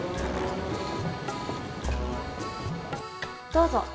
どうぞ。